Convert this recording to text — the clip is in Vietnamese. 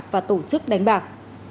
và tổ chức đánh bạc